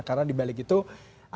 karena di balik itu ada netizen juga